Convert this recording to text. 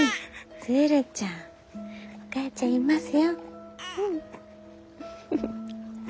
鶴ちゃんお母ちゃんいますよ。